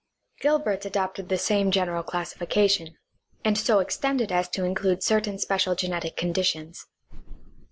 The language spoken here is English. Gilbert adopted the same gei^eral classification, and so extended as to include certain special genetic conditions.